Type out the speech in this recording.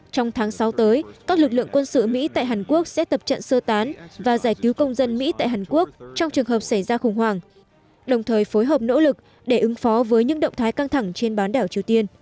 trong tháng sáu tới các lực lượng quân sự mỹ tại hàn quốc sẽ tập trận sơ tán và giải cứu công dân mỹ tại hàn quốc trong trường hợp xảy ra khủng hoảng đồng thời phối hợp nỗ lực để ứng phó với những động thái căng thẳng trên bán đảo triều tiên